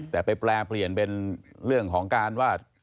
แต่ไปแปลเปลี่ยนเป็นเรื่องของการว่า